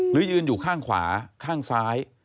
ยืนอยู่ข้างขวาข้างซ้าย